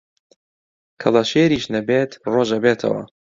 کەڵەشێریش نەبێت ڕۆژ ئەبێتەوە